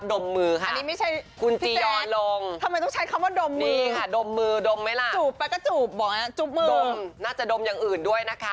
ดมมือค่ะคุณพี่แจ๊คทำไมต้องใช้คำว่าดมมือจูบไปก็จูบดมมือดมน่าจะดมอย่างอื่นด้วยนะคะ